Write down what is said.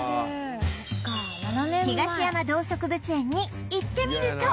東山動植物園に行ってみると